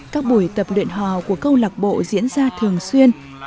các buổi tập luyện hò của câu lạc bộ diễn ra thường xuyên